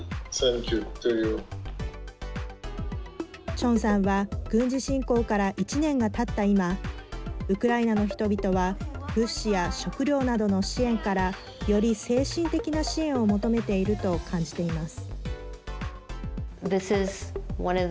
チョンさんは軍事侵攻から１年がたった今ウクライナの人々は物資や食料などの支援からより精神的な支援を求めていると感じています。